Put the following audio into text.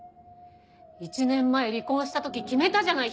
１年前離婚した時決めたじゃない。